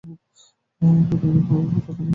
গানের কথা লিখেছিলেন সমীর।